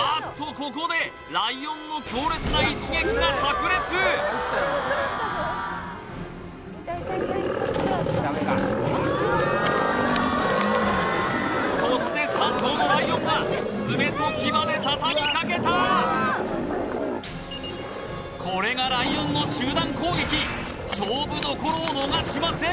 ここでライオンの強烈な一撃が炸裂そして３頭のライオンが爪と牙で畳みかけたこれがライオンの勝負どころを逃しません